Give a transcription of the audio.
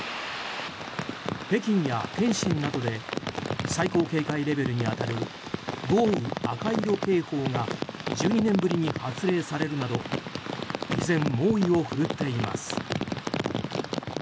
北京や天津などで最高警戒レベルに当たる豪雨赤色警報が１２年ぶりに発令されるなど依然、猛威を振るっています。